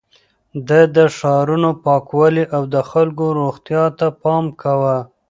ده د ښارونو پاکوالي او د خلکو روغتيا ته پام کاوه.